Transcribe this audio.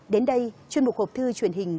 đến đây chuyên mục hộp thư truyền hình